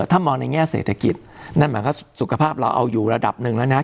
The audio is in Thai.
ถ้ามองในแง่เศรษฐกิจนั่นหมายความว่าสุขภาพเราเอาอยู่ระดับหนึ่งแล้วนะ